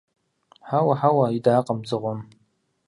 – Хьэуэ, хьэуэ! – идакъым дзыгъуэм.